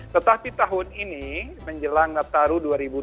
tetapi tahun ini menjelang nataru dua ribu dua puluh